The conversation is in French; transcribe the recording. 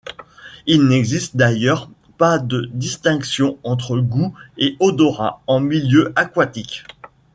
Il n'existe d'ailleurs pas de distinction entre goût et odorat en milieu aquatique.